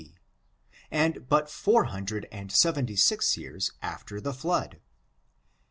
C, and but four hundred and seventy six years after the flood.